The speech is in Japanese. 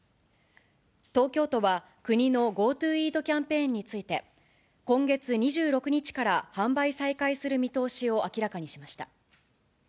東京都は国のＧｏＴｏイートキャンペーンについて、今月２６日から販売再開する見通しを明らかにしました。